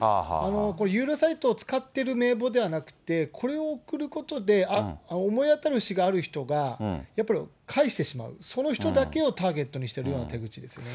これ、有料サイトを使ってる名簿ではなくて、これを送ることで、あっ、思い当たる節がある人が、やっぱり返してしまう、その人だけをターゲットにしてるような手口ですね。